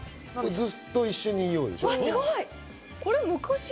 ずっと一緒にいようでしょう？